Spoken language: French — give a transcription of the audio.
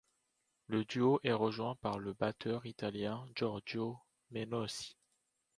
Le duo est rejoint par le batteur italien Giorgio Menossi.